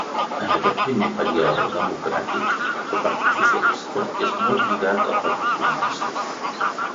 En aquest primer període democràtic, el partit socialista és molt lligat al Partit Comunista.